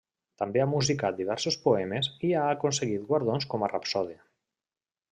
També ha musicat diversos poemes i ha aconseguit guardons com a rapsode.